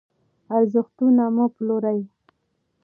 ارزښتونه مه پلورئ.